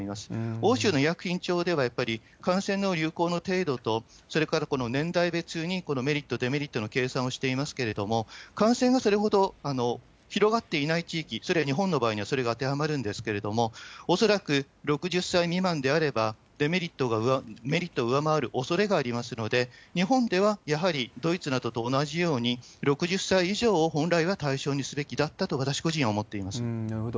欧州の医薬品庁では、やっぱり感染の流行の程度と、それからこの年代別にこのメリット、デメリットの計算をしていますけれども、感染がそれほど広がっていない地域、それは日本の場合ではそれが当てはまるんですけれども、おそらく６０歳未満であれば、デメリットがメリットを上回るおそれがありますので、日本ではやはり、ドイツなどと同じように、６０歳以上を本来は対象にすべきだったと、なるほど。